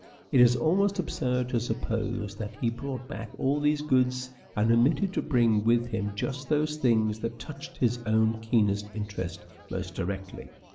It is almost absurd to suppose that he brought back all these goods and omitted to bring with him just those things that touched his own keenest interest most directly.